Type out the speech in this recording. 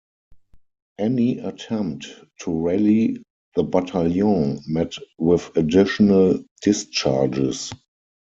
Any attempt to rally the battalion met with additional discharges.